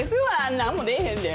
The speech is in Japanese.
何も出えへんで。